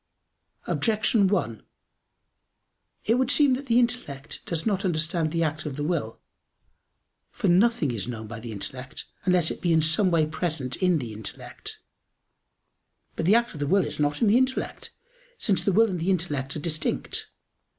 Objection 1: It would seem that the intellect does not understand the act of the will. For nothing is known by the intellect, unless it be in some way present in the intellect. But the act of the will is not in the intellect; since the will and the intellect are distinct.